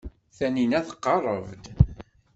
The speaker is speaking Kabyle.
Taninna tqerreb-d.